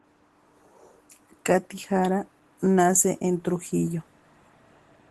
Katy Jara nace en Trujillo.